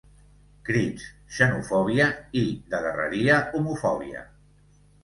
Crits, xenofòbia i, de darreria, homofòbia.